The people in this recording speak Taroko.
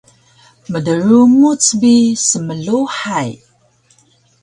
Mdrumuc bi smluhay